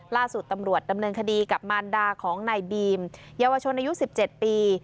ล่าสุดตำรวจดำเนินคดีกับมารดาของนายบีมเยาวชนอายุ๑๗ปี